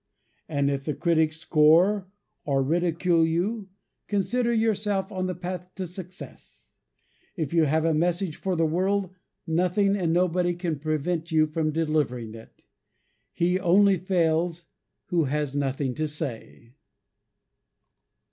And if the critics score or ridicule you, consider yourself on the path to success. If you have a message for the world, nothing and nobody can prevent you from delivering it. He only fails who has nothing to say.